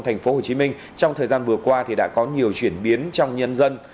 thành phố hồ chí minh trong thời gian vừa qua đã có nhiều chuyển biến trong nhân dân